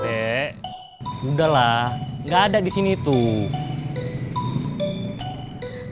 dek udahlah gak ada di sini tuh